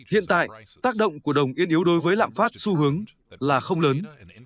hiện tại tác động của đồng yên yếu đối với lạm phát xu hướng là không lớn